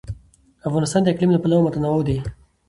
افغانستان د اقلیم له پلوه متنوع دی.